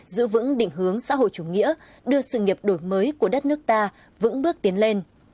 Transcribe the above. giữ vững định hướng xã hội chủ nghĩa đưa sự nghiệp đổi mới của đất nước ta vững bước tiến lên